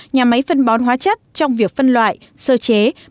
nhà máy phân bón hóa chất trong việc phân loại sơ chế